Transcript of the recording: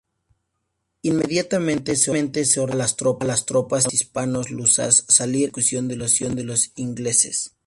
Inmediatamente se ordenó a las tropas hispano-lusas salir en persecución de los ingleses.